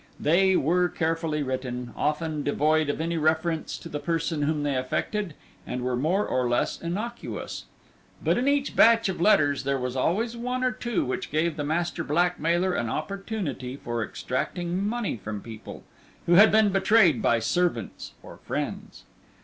They were carefully written, often devoid of any reference to the person whom they affected, and were more or less innocuous. But in every batch of letters there were always one or two which gave the master blackmailer an opportunity for extracting money from people, who had been betrayed by servants or friends.